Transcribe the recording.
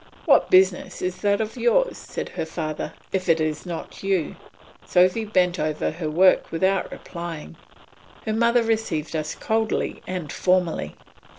"What business is that of yours," said her father, "if it is not you?" Sophy bent over her work without reply. Her mother received us coldly and formally.